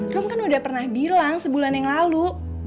rum kan udah pernah bilang sebulan yang lalu